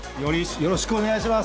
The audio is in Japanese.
よろしくお願いします。